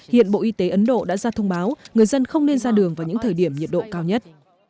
hiện bộ y tế ấn độ đã ra thông báo người dân không nên ra đường vào những thời điểm nhiệt độ cao nhất